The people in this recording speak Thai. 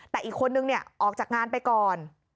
แต่อีกคนนึงเนี่ยออกจากงานไปก่อน